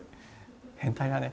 「変態だね」